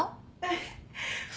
フフ。